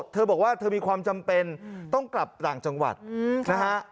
เธอบอกว่าเธอมีความจำเป็นต้องกลับต่างจังหวัดนะฮะ